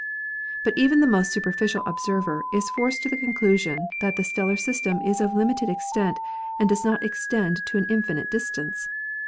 But even the most superficial observer is forced to the conclusion that the stellar system is of limited extent and does not extend to an infinite distance.